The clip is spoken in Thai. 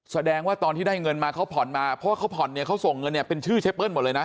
แสดงว่าตอนที่ได้เงินมาเขาผ่อนมาเพราะว่าเขาผ่อนเนี่ยเขาส่งเงินเนี่ยเป็นชื่อเชเปิ้ลหมดเลยนะ